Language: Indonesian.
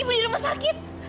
ibu di rumah sakit